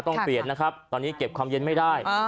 ต้องเปลี่ยนนะครับตอนนี้เก็บความเย็นไม่ได้